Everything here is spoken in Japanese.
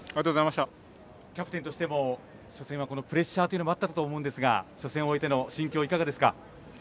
キャプテンとしても初戦はプレッシャーがあったかと思うんですが、初戦終えての心境いかがですか？